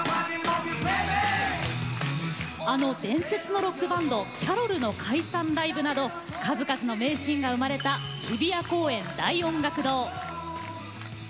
あの、伝説のロックバンドキャロルの解散ライブなど数々の名シーンが生まれた日比谷公園大音楽堂。